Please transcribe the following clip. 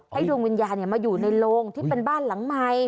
ดวงวิญญาณมาอยู่ในโรงที่เป็นบ้านหลังใหม่